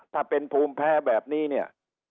ถ้าเป็นภูมิแพ้แบบนี้เนี่ย